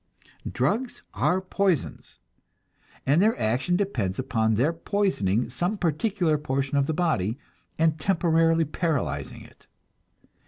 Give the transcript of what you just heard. Drugs are poisons, and their action depends upon their poisoning some particular portion of the body, and temporarily paralyzing it.